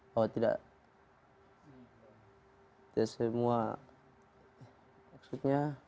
kalau tidak tidak semua maksudnya